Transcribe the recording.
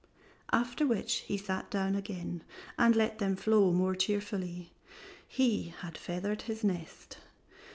After which he sat down again and let them flow more cheerfully; he had feathered his nest.